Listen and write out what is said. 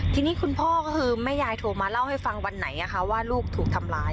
ทีนี้คุณพ่อก็คือแม่ยายโทรมาเล่าให้ฟังวันไหนว่าลูกถูกทำร้าย